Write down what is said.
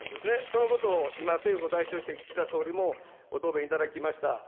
そのことを今、政府を代表して岸田総理もご答弁いただきました。